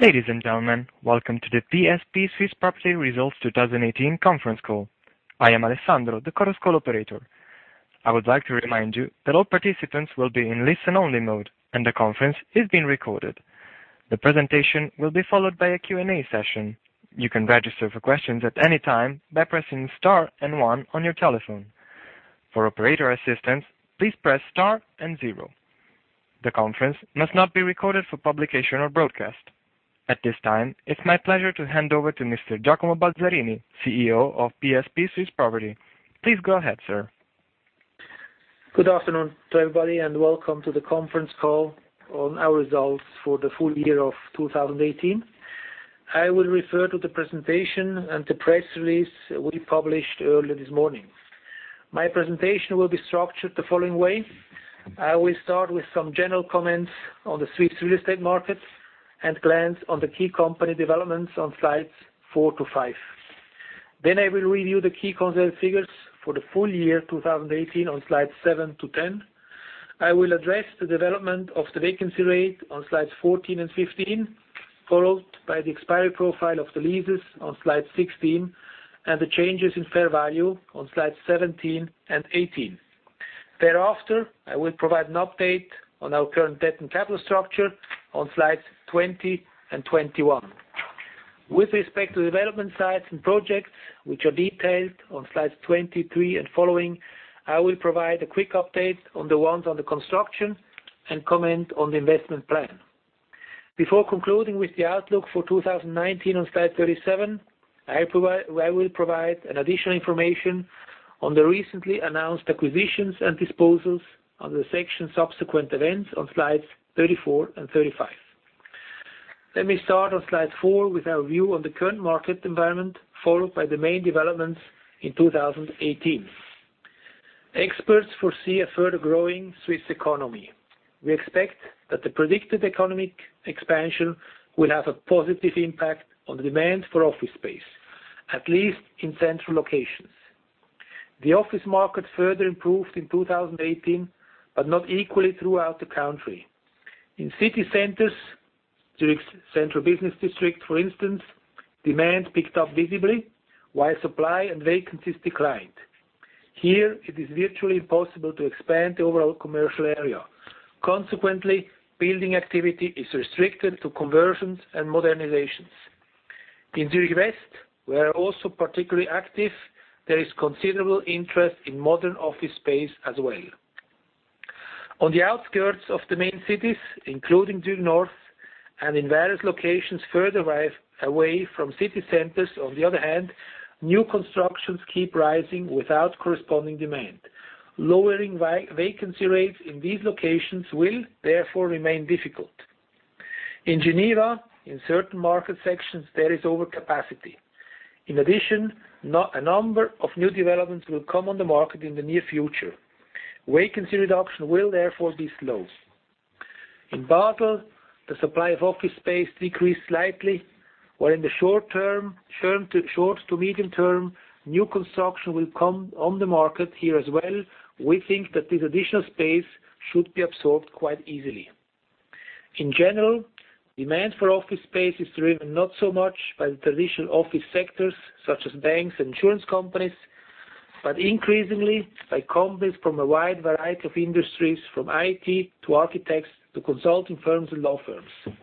Ladies and gentlemen, welcome to the PSP Swiss Property Results 2018 conference call. I am Alessandro, the conference call operator. I would like to remind you that all participants will be in listen-only mode, and the conference is being recorded. The presentation will be followed by a Q&A session. You can register for questions at any time by pressing star and one on your telephone. For operator assistance, please press star and zero. The conference must not be recorded for publication or broadcast. At this time, it's my pleasure to hand over to Mr. Giacomo Balzarini, CEO of PSP Swiss Property. Please go ahead, sir. Good afternoon to everybody, welcome to the conference call on our results for the full year of 2018. I will refer to the presentation and the press release we published earlier this morning. My presentation will be structured the following way. I will start with some general comments on the Swiss real estate market and glance on the key company developments on slides four to five. I will review the key consolidated figures for the full year 2018 on slides seven to 10. I will address the development of the vacancy rate on slides 14 and 15, followed by the expiry profile of the leases on slide 16, and the changes in fair value on slides 17 and 18. Thereafter, I will provide an update on our current debt and capital structure on slides 20 and 21. With respect to the development sites and projects, which are detailed on slides 23 and following, I will provide a quick update on the ones under construction and comment on the investment plan. Before concluding with the outlook for 2019 on slide 37, I will provide additional information on the recently announced acquisitions and disposals under the section Subsequent Events on slides 34 and 35. Let me start on slide four with our view on the current market environment, followed by the main developments in 2018. Experts foresee a further growing Swiss economy. We expect that the predicted economic expansion will have a positive impact on the demand for office space, at least in central locations. The office market further improved in 2018, not equally throughout the country. In city centers, Zurich's central business district, for instance, demand picked up visibly, while supply and vacancies declined. Here, it is virtually impossible to expand the overall commercial area. Consequently, building activity is restricted to conversions and modernizations. In Zurich West, where are also particularly active, there is considerable interest in modern office space as well. On the outskirts of the main cities, including Zurich North and in various locations further away from city centers, on the other hand, new constructions keep rising without corresponding demand. Lowering vacancy rates in these locations will, therefore, remain difficult. In Geneva, in certain market sections, there is overcapacity. In addition, a number of new developments will come on the market in the near future. Vacancy reduction will, therefore, be slow. In Basel, the supply of office space decreased slightly. While in the short to medium term, new construction will come on the market here as well. We think that this additional space should be absorbed quite easily. In general, demand for office space is driven not so much by the traditional office sectors such as banks and insurance companies, but increasingly by companies from a wide variety of industries, from IT to architects to consulting firms and law firms.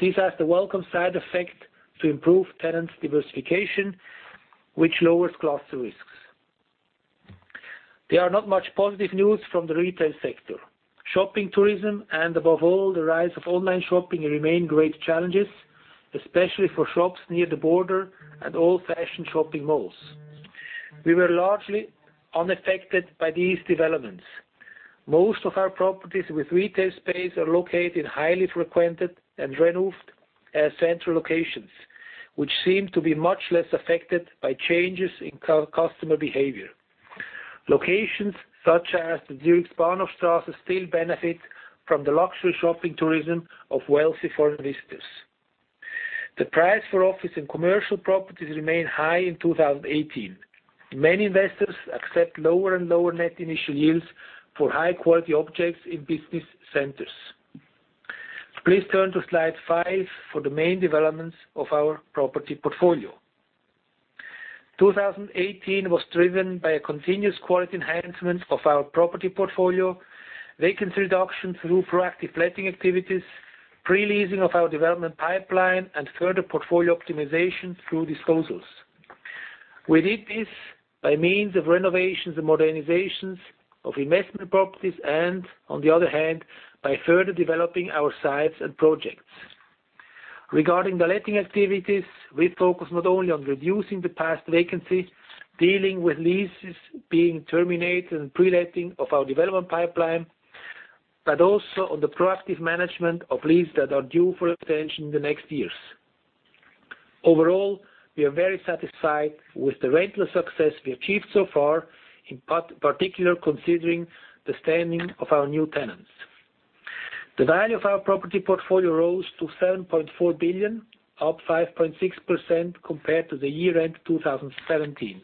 This has the welcome side effect to improve tenant diversification, which lowers cluster risks. There are not much positive news from the retail sector. Shopping tourism, and above all, the rise of online shopping remain great challenges, especially for shops near the border and old-fashioned shopping malls. We were largely unaffected by these developments. Most of our properties with retail space are located in highly frequented and renewed central locations, which seem to be much less affected by changes in customer behavior. Locations such as the Zurich's Bahnhofstrasse still benefit from the luxury shopping tourism of wealthy foreign visitors. The price for office and commercial properties remained high in 2018. Many investors accept lower and lower net initial yields for high-quality objects in business centers. Please turn to slide five for the main developments of our property portfolio. 2018 was driven by a continuous quality enhancement of our property portfolio, vacancy reduction through proactive letting activities, pre-leasing of our development pipeline, and further portfolio optimization through disposals. We did this by means of renovations and modernizations of investment properties and, on the other hand, by further developing our sites and projects. Regarding the letting activities, we focus not only on reducing the past vacancy, dealing with leases being terminated, and pre-letting of our development pipeline, but also on the proactive management of leases that are due for extension in the next years. Overall, we are very satisfied with the rental success we achieved so far, in particular, considering the standing of our new tenants. The value of our property portfolio rose to 7.4 billion, up 5.6% compared to the year-end 2017.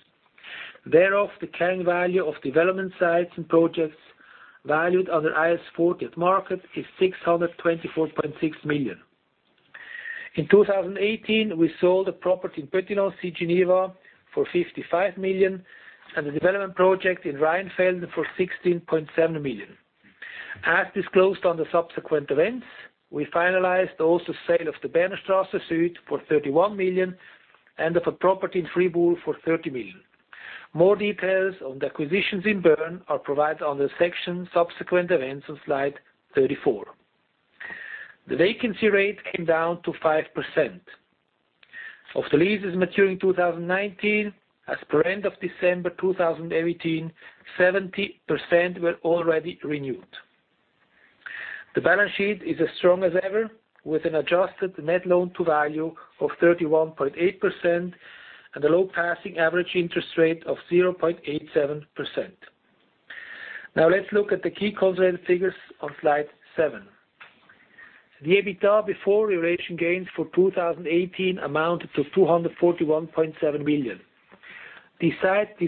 Thereof, the carrying value of development sites and projects valued under IAS 40 at market is 624.6 million. In 2018, we sold a property in Petit-Lancy, Geneva, for 55 million, and the development project in Rheinfelden for 16.7 million. As disclosed on the subsequent events, we finalized also the sale of the Bernstrasse Süd for 31 million and of a property in Fribourg for 30 million. More details on the acquisitions in Bern are provided under the section Subsequent Events on slide 34. The vacancy rate came down to 5%. Of the leases maturing 2019, as per end of December 2018, 70% were already renewed. The balance sheet is as strong as ever, with an adjusted net loan-to-value of 31.8% and a low passing average interest rate of 0.87%. Let's look at the key consolidated figures on slide seven. The EBITDA before revaluation gains for 2018 amounted to 241.7 million. The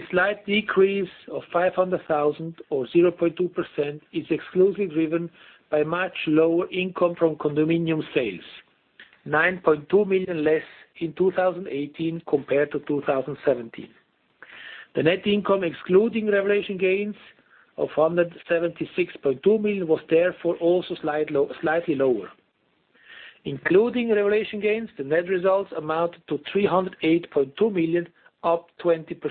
slight decrease of 500,000 or 0.2% is exclusively driven by much lower income from condominium sales, 9.2 million less in 2018 compared to 2017. The net income excluding revaluation gains of 176.2 million was therefore also slightly lower. Including revaluation gains, the net results amounted to 308.2 million, up 20%.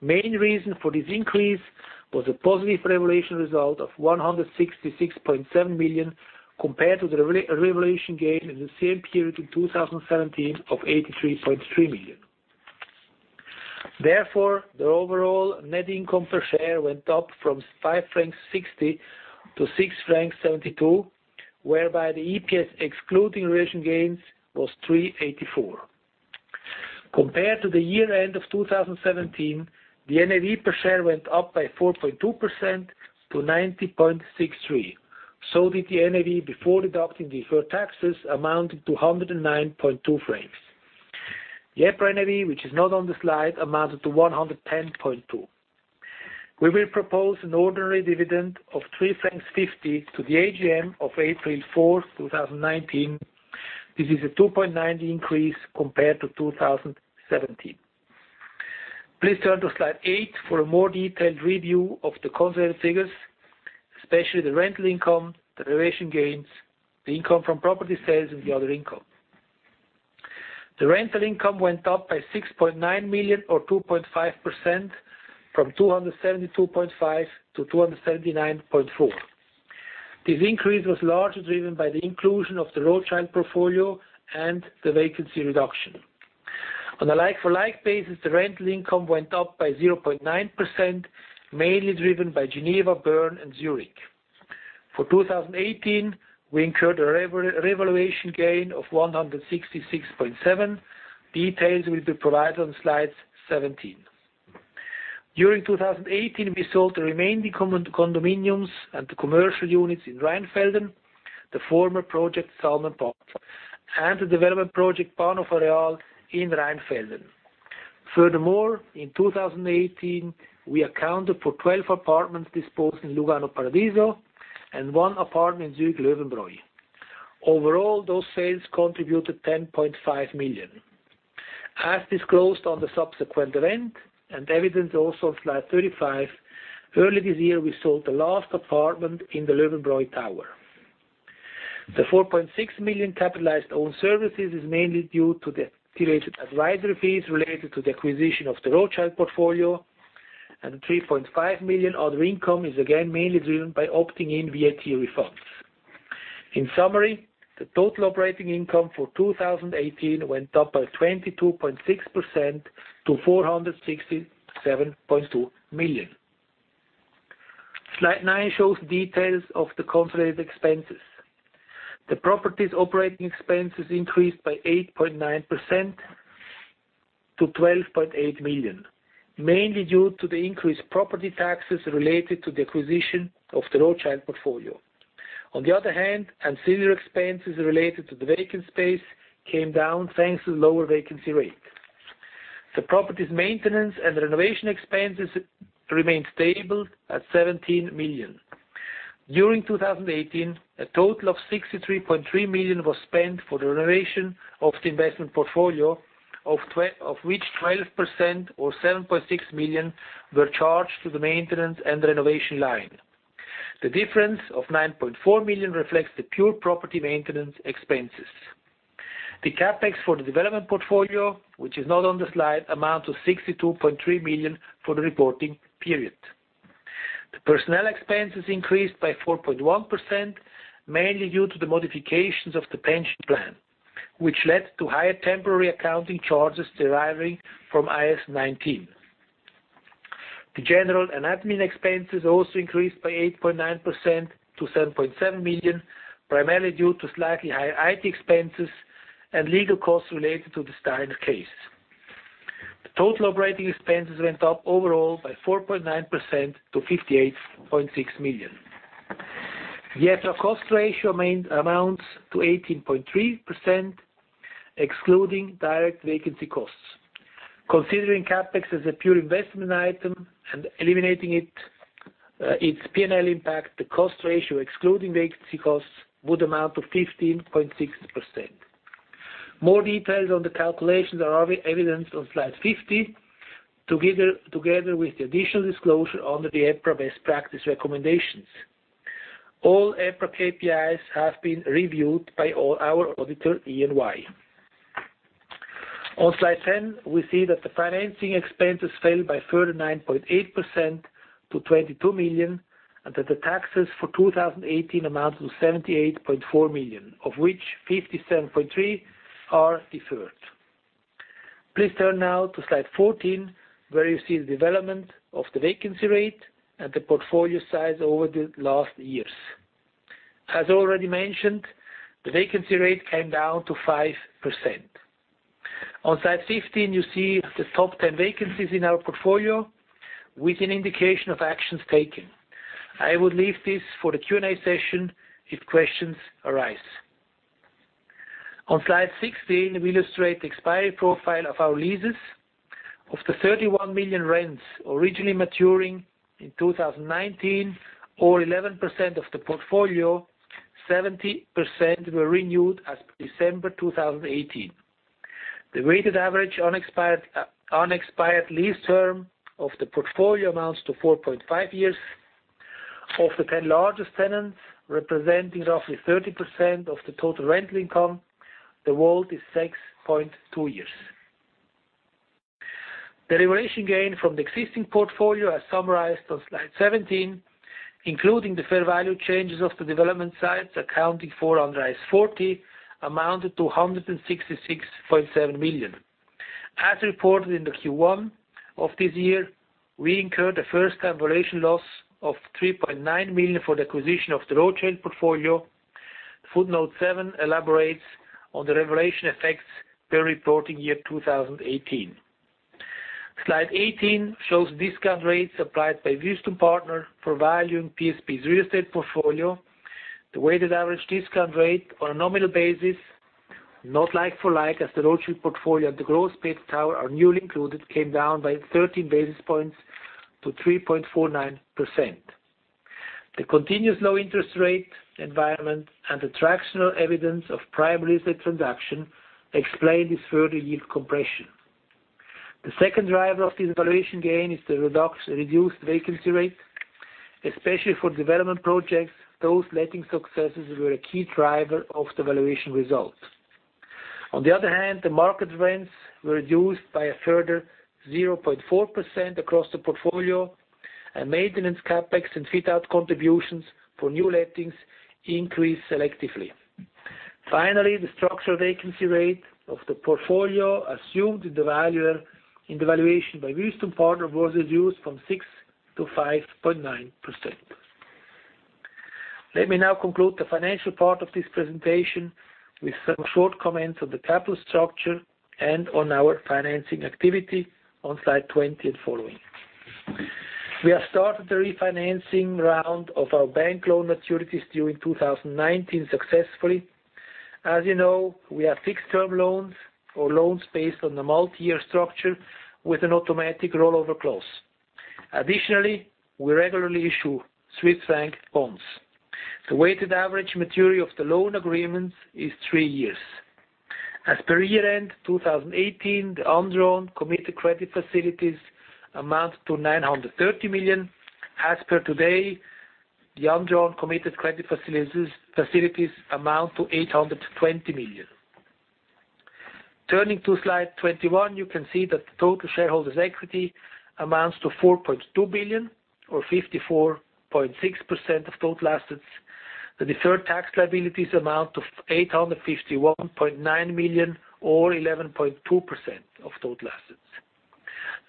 Main reason for this increase was a positive revaluation result of 166.7 million compared to the revaluation gain in the same period in 2017 of 83.3 million. The overall net income per share went up from 5.60 francs to 6.72 francs, whereby the EPS excluding revaluation gains was 3.84. Compared to the year-end of 2017, the NAV per share went up by 4.2% to 90.63. The NAV before deducting deferred taxes amounting to 109.20 francs. The EPRA NAV, which is not on the slide, amounted to 110.2. We will propose an ordinary dividend of 3.50 francs to the AGM of April 4th, 2019. This is a 2.90 increase compared to 2017. Please turn to slide eight for a more detailed review of the consolidated figures, especially the rental income, the revaluation gains, the income from property sales, and the other income. The rental income went up by 6.9 million or 2.5% from 272.5 to 279.4. This increase was largely driven by the inclusion of the Rothschild portfolio and the vacancy reduction. On a like-for-like basis, the rental income went up by 0.9%, mainly driven by Geneva, Bern, and Zurich. For 2018, we incurred a revaluation gain of 166.7. Details will be provided on slide 17. During 2018, we sold the remaining condominiums and the commercial units in Rheinfelden, the former project Salmenpark, and the development project Bau Areal in Rheinfelden. In 2018, we accounted for 12 apartments disposed in Lugano, Paradiso, and one apartment in Zurich, Löwenbräu. Overall, those sales contributed 10.5 million. Disclosed on the subsequent event and evidenced also on slide 35, early this year, we sold the last apartment in the Löwenbräu tower. The 4.6 million capitalized own services is mainly due to the curated advisory fees related to the acquisition of the Rothschild portfolio, and the 3.5 million other income is again mainly driven by opting in VAT refunds. The total operating income for 2018 went up by 22.6% to 467.2 million. Slide nine shows details of the consolidated expenses. The property's operating expenses increased by 8.9% to 12.8 million, mainly due to the increased property taxes related to the acquisition of the Rothschild portfolio. Ancillary expenses related to the vacant space came down, thanks to the lower vacancy rate. The property's maintenance and renovation expenses remained stable at 17 million. During 2018, a total of 63.3 million was spent for the renovation of the investment portfolio, of which 12% or 7.6 million were charged to the maintenance and renovation line. The difference of 9.4 million reflects the pure property maintenance expenses. The CapEx for the development portfolio, which is not on the slide, amounts to 62.3 million for the reporting period. The personnel expenses increased by 4.1%, mainly due to the modifications of the pension plan, which led to higher temporary accounting charges deriving from IAS 19. The general and admin expenses also increased by 8.9% to 7.7 million, primarily due to slightly higher IT expenses and legal costs related to the Steiner case. The total operating expenses went up overall by 4.9% to 58.6 million. The EPRA cost ratio amounts to 18.3%, excluding direct vacancy costs. Considering CapEx as a pure investment item and eliminating its P&L impact, the cost ratio, excluding vacancy costs, would amount to 15.6%. More details on the calculations are evidenced on slide 15, together with the additional disclosure under the EPRA Best Practice Recommendations. All EPRA KPIs have been reviewed by our auditor, EY. Slide 10, we see that the financing expenses fell by 39.8% to 22 million, and that the taxes for 2018 amount to 78.4 million, of which 57.3 are deferred. Please turn now to slide 14, where you see the development of the vacancy rate and the portfolio size over the last years. As already mentioned, the vacancy rate came down to 5%. On slide 15, you see the top 10 vacancies in our portfolio, with an indication of actions taken. I would leave this for the Q&A session if questions arise. On slide 16, we illustrate the expiry profile of our leases. Of the 31 million rents originally maturing in 2019, or 11% of the portfolio, 70% were renewed as per December 2018. The weighted average unexpired lease term of the portfolio amounts to 4.5 years. Of the 10 largest tenants, representing roughly 30% of the total rental income, the vault is 6.2 years. The revaluation gain from the existing portfolio, as summarized on slide 17, including the fair value changes of the development sites accounting for under IAS 40, amounted to 166.7 million. As reported in the Q1 of this year, we incurred the first-time revaluation loss of 3.9 million for the acquisition of the Rothschild portfolio. Footnote seven elaborates on the revaluation effects per reporting year 2018. Slide 18 shows discount rates applied by Wüest Partner for valuing PSP's real estate portfolio. The weighted average discount rate on a nominal basis, not like-for-like, as the Rothschild portfolio and the Grosspeter Tower are newly included, came down by 13 basis points to 3.49%. The continuous low interest rate environment and the transactional evidence of primary estate transaction explain this further yield compression. The second driver of this valuation gain is the reduced vacancy rate, especially for development projects. Those letting successes were a key driver of the valuation result. On the other hand, the market rents were reduced by a further 0.4% across the portfolio, and maintenance CapEx and fit-out contributions for new lettings increased selectively. Finally, the structural vacancy rate of the portfolio assumed in the valuation by Wüest Partner was reduced from 6% to 5.9%. Let me now conclude the financial part of this presentation with some short comments on the capital structure and on our financing activity on slide 20 and following. We have started the refinancing round of our bank loan maturities during 2019 successfully. As you know, we have fixed-term loans or loans based on the multi-year structure with an automatic rollover clause. Additionally, we regularly issue Swiss franc bonds. The weighted average maturity of the loan agreements is three years. As per year-end 2018, the undrawn committed credit facilities amount to 930 million. As per today, the undrawn committed credit facilities amount to 820 million. Turning to slide 21, you can see that the total shareholders' equity amounts to 4.2 billion or 54.6% of total assets. The deferred tax liabilities amount to 851.9 million, or 11.2% of total assets.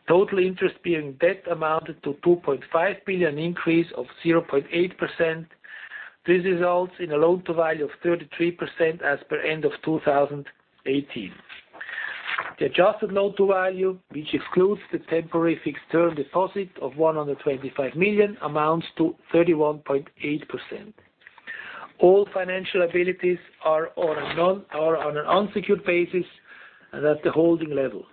Total interest-bearing debt amounted to 2.5 billion, an increase of 0.8%. This results in a loan-to-value of 33% as per end of 2018. The adjusted loan-to-value, which excludes the temporary fixed-term deposit of 125 million, amounts to 31.8%. All financial liabilities are on an unsecured basis and at the holding level.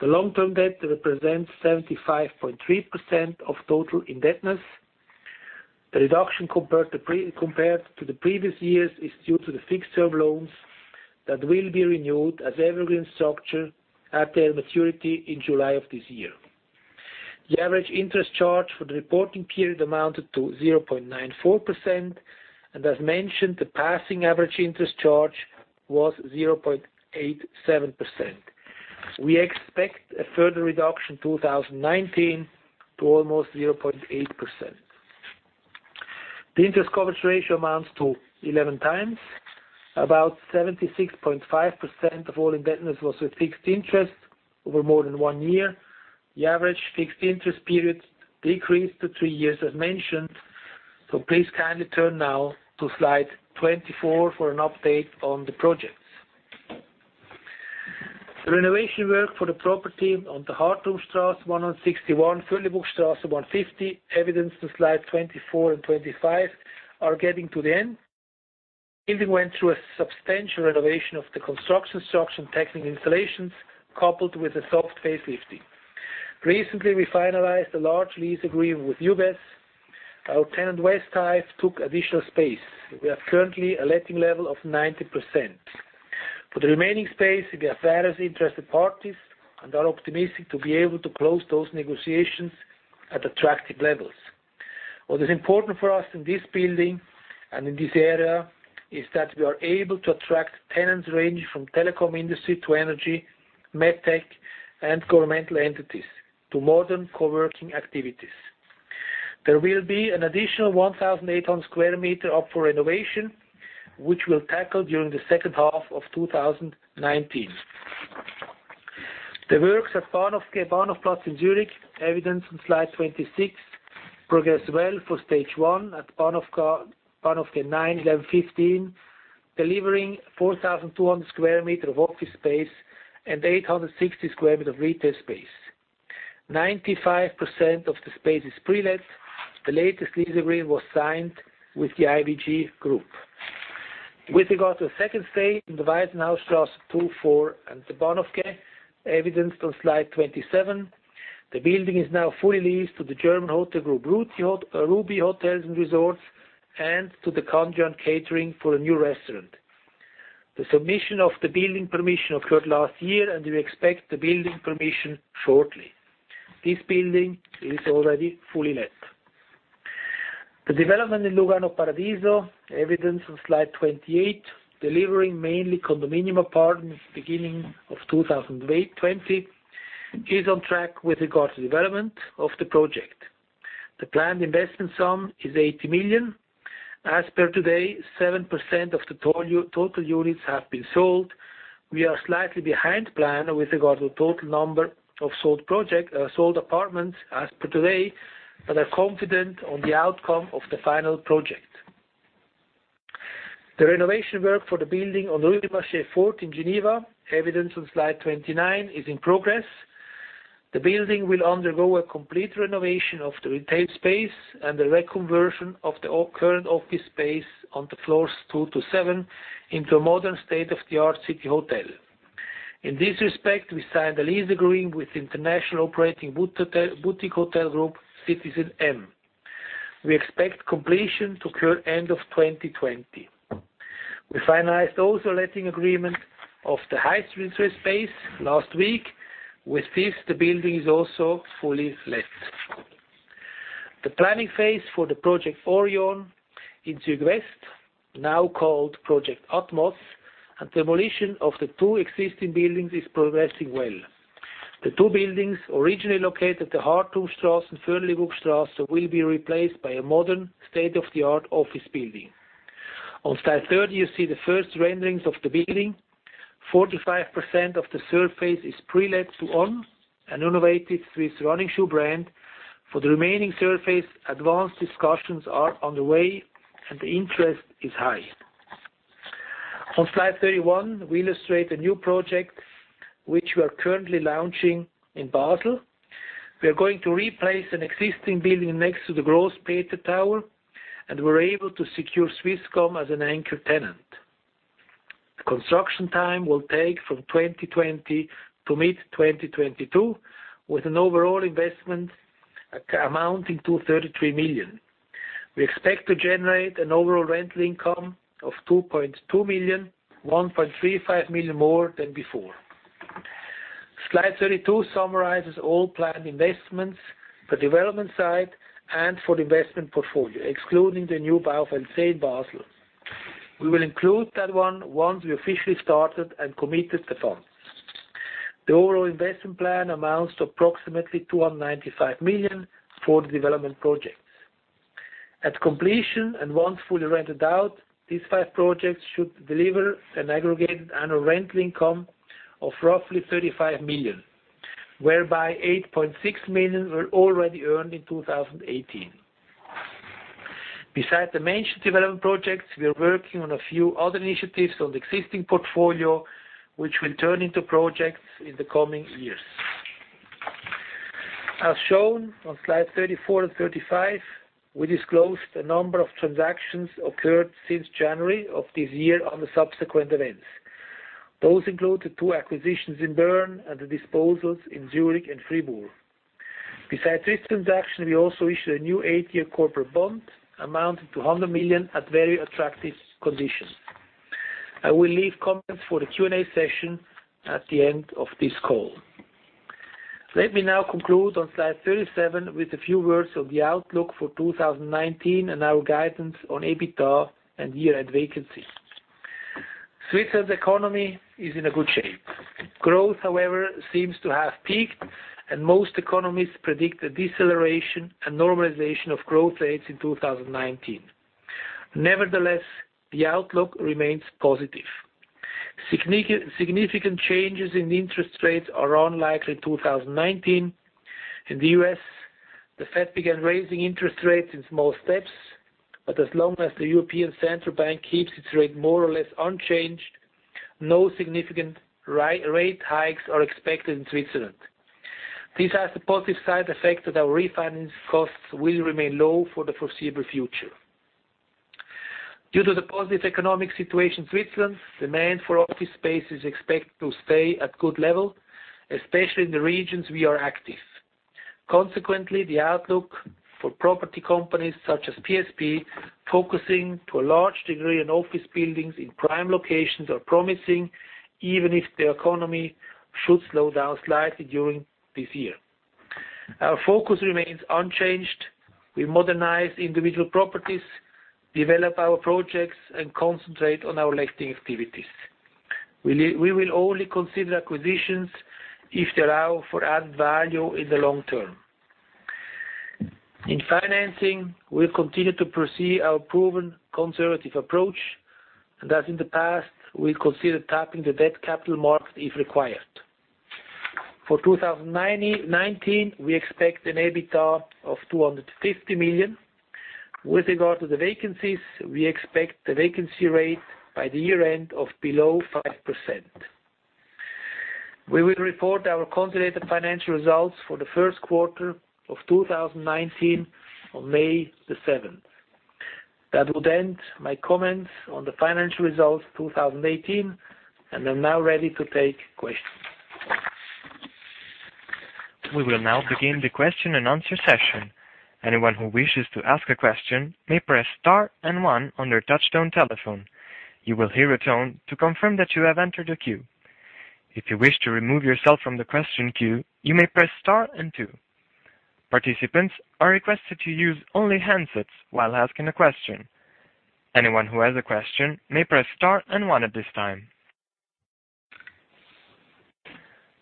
The long-term debt represents 75.3% of total indebtedness. The reduction compared to the previous years is due to the fixed-term loans that will be renewed as evergreen structure at their maturity in July of this year. The average interest charge for the reporting period amounted to 0.94%, and as mentioned, the passing average interest charge was 0.87%. We expect a further reduction in 2019 to almost 0.8%. The interest coverage ratio amounts to 11 times. About 76.5% of all indebtedness was with fixed interest over more than one year. The average fixed interest period decreased to three years, as mentioned. Please kindly turn now to slide 24 for an update on the projects. The renovation work for the property on the Hardturmstrasse 161, Förrlibuckstrasse 150, evidence on slide 24 and 25, are getting to the end. The building went through a substantial renovation of the construction structure and technical installations, coupled with a soft refurbishment. Recently, we finalized a large lease agreement with UBS. Our tenant, Westhive, took additional space. We have currently a letting level of 90%. For the remaining space, we have various interested parties and are optimistic to be able to close those negotiations at attractive levels. What is important for us in this building and in this area is that we are able to attract tenants ranging from telecom industry to energy, med tech, and governmental entities to modern co-working activities. There will be an additional 1,800 sq m up for renovation, which we'll tackle during the second half of 2019. The works at Bahnhofquai, Bahnhofplatz in Zurich, evidence on slide 26, progress well for stage 1 at Bahnhofquai 9, 11, 15, delivering 4,200 sq m of office space and 860 sq m of retail space. 95% of the space is pre-let. The latest lease agreement was signed with the IBP Group. With regard to the second phase in the Waisenhausgasse 2, 4, and the Bahnhofquai, evidenced on slide 27, the building is now fully leased to the German hotel group Ruby Hotels & Resorts and to Candrian Catering for a new restaurant. The submission of the building permission occurred last year, and we expect the building permission shortly. This building is already fully let. The development in Lugano Paradiso, evidence on slide 28, delivering mainly condominium apartments beginning of 2020, is on track with regard to development of the project. The planned investment sum is 80 million. As per today, 7% of the total units have been sold. We are slightly behind plan with regard to total number of sold apartments as per today, but are confident on the outcome of the final project. The renovation work for the building on Rue du Marché 40 in Geneva, evidence on slide 29, is in progress. The building will undergo a complete renovation of the retail space and the reconversion of the current office space on the floors 2 to 7 into a modern state-of-the-art city hotel. In this respect, we signed a lease agreement with international operating boutique hotel group, citizenM. We expect completion to occur end of 2020. We finalized also a letting agreement of the high street retail space last week. With this, the building is also fully let. The planning phase for the project Orion in Zürich West, now called Project Atmos, and demolition of the two existing buildings is progressing well. The two buildings originally located at the Hardturmstrasse and Förrlibuckstrasse will be replaced by a modern state-of-the-art office building. On slide 30, you see the first renderings of the building. 45% of the surface is pre-let to On, an innovative Swiss running shoe brand. For the remaining surface, advanced discussions are on the way and the interest is high. On slide 31, we illustrate a new project which we are currently launching in Basel. We are going to replace an existing building next to the Grosspeter Tower, and we were able to secure Swisscom as an anchor tenant. The construction time will take from 2020 to mid-2022, with an overall investment amounting to 33 million. We expect to generate an overall rental income of 2.2 million, 1.35 million more than before. Slide 32 summarizes all planned investments for development site and for the investment portfolio, excluding the new Biozentrum in Basel. We will include that one once we officially started and committed the funds. The overall investment plan amounts to approximately 295 million for the development projects. At completion and once fully rented out, these five projects should deliver an aggregated annual rental income of roughly 35 million, whereby 8.6 million were already earned in 2018. Besides the mentioned development projects, we are working on a few other initiatives on the existing portfolio, which will turn into projects in the coming years. As shown on slide 34 and 35, we disclosed a number of transactions occurred since January of this year on the subsequent events. Those include the two acquisitions in Bern and the disposals in Zurich and Fribourg. Besides this transaction, we also issued a new eight-year corporate bond amounting to 100 million at very attractive conditions. I will leave comments for the Q&A session at the end of this call. Let me now conclude on slide 37 with a few words of the outlook for 2019 and our guidance on EBITDA and year-end vacancy. Switzerland's economy is in a good shape. Growth, however, seems to have peaked, most economies predict a deceleration and normalization of growth rates in 2019. Nevertheless, the outlook remains positive. Significant changes in interest rates are unlikely in 2019. In the U.S., the Fed began raising interest rates in small steps, but as long as the European Central Bank keeps its rate more or less unchanged, no significant rate hikes are expected in Switzerland. These are supportive side effects that our refinance costs will remain low for the foreseeable future. Due to the positive economic situation in Switzerland, demand for office space is expected to stay at good level, especially in the regions we are active. Consequently, the outlook for property companies such as PSP, focusing to a large degree on office buildings in prime locations, are promising, even if the economy should slow down slightly during this year. Our focus remains unchanged. We modernize individual properties, develop our projects, and concentrate on our letting activities. We will only consider acquisitions if they allow for added value in the long term. In financing, we'll continue to pursue our proven conservative approach, as in the past, we consider tapping the debt capital market if required. For 2019, we expect an EBITDA of 250 million. With regard to the vacancies, we expect the vacancy rate by the year-end of below 5%. We will report our consolidated financial results for the first quarter of 2019 on May the 7th. That would end my comments on the financial results 2018, I'm now ready to take questions. We will now begin the question and answer session. Anyone who wishes to ask a question may press star and one on their touchtone telephone. You will hear a tone to confirm that you have entered a queue. If you wish to remove yourself from the question queue, you may press star and two. Participants are requested to use only handsets while asking a question. Anyone who has a question may press star and one at this time.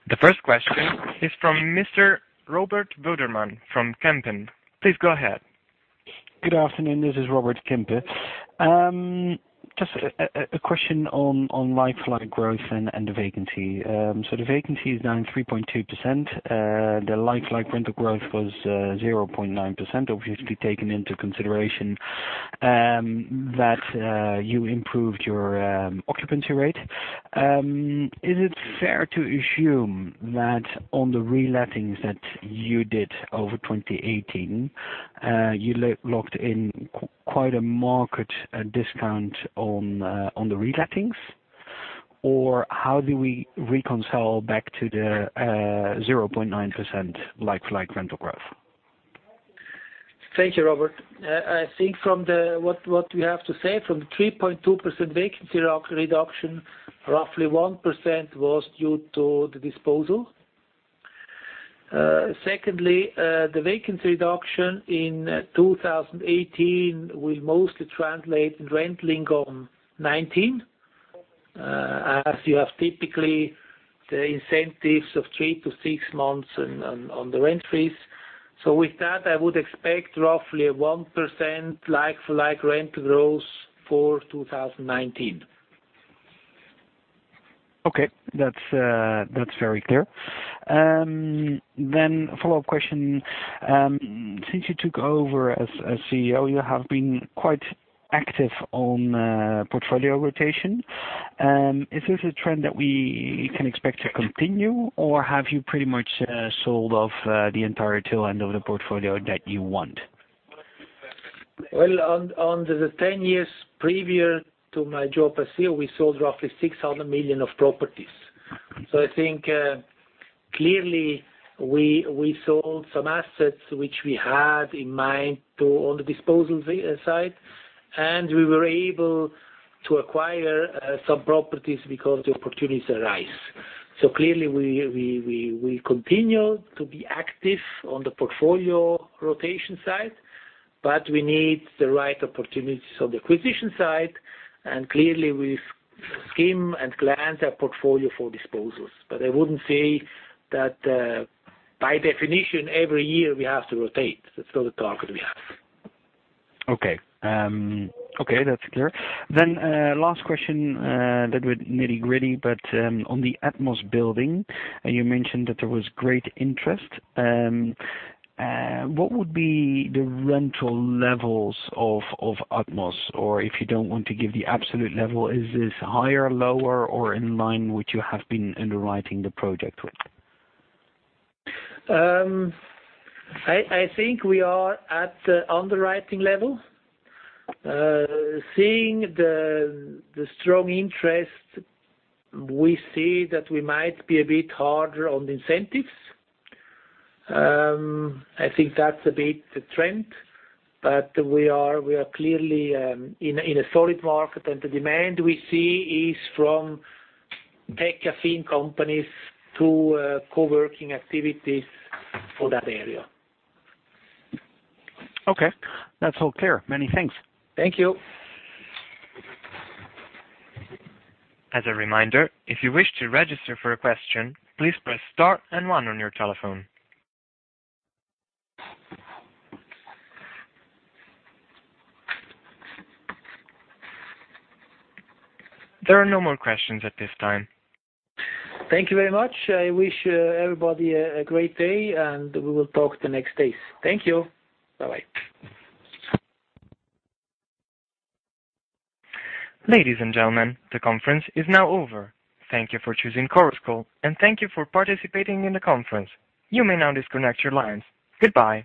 The first question is from Mr. Robert Woerdman from Kempen. Please go ahead. Good afternoon, this is Robert from Kempen. Just a question on like-for-like growth and the vacancy. The vacancy is down 3.2%. The like-for-like rental growth was 0.9%, obviously taken into consideration that you improved your occupancy rate. Is it fair to assume that on the relettings that you did over 2018, you locked in quite a market discount on the relettings? Or how do we reconcile back to the 0.9% like-for-like rental growth? Thank you, Robert. I think from what we have to say, from the 3.2% vacancy reduction, roughly 1% was due to the disposal. Secondly, the vacancy reduction in 2018 will mostly translate in rent in 2019. As you have typically the incentives of three to six months on the rent-free. With that, I would expect roughly a 1% like-for-like rent growth for 2019. Okay. That's very clear. A follow-up question. Since you took over as CEO, you have been quite active on portfolio rotation. Is this a trend that we can expect to continue, or have you pretty much sold off the entire tail end of the portfolio that you want? Well, under the 10 years prior to my job as CEO, we sold roughly 600 million of properties. I think, clearly we sold some assets which we had in mind to on the disposal side, and we were able to acquire some properties because the opportunities arise. Clearly we'll continue to be active on the portfolio rotation side, but we need the right opportunities on the acquisition side, and clearly we skim and glance our portfolio for disposals. I wouldn't say that by definition every year we have to rotate. That's not a target we have. Okay. That's clear. Last question that was nitty-gritty, but on the Atmos building, you mentioned that there was great interest. What would be the rental levels of Atmos? Or if you don't want to give the absolute level, is this higher, lower, or in line with you have been underwriting the project with? I think we are at the underwriting level. Seeing the strong interest, we see that we might be a bit harder on the incentives. I think that's a bit the trend, we are clearly in a solid market, and the demand we see is from tech-affined companies to co-working activities for that area. Okay. That's all clear. Many thanks. Thank you. As a reminder, if you wish to register for a question, please press star and one on your telephone. There are no more questions at this time. Thank you very much. I wish everybody a great day, and we will talk the next days. Thank you. Bye-bye. Ladies and gentlemen, the conference is now over. Thank you for choosing Chorus Call, and thank you for participating in the conference. You may now disconnect your lines. Goodbye.